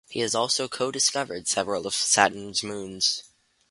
He has also co-discovered several of Saturn's moons.